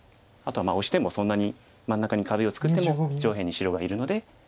あとはオシてもそんなに真ん中に壁を作っても上辺に白がいるので。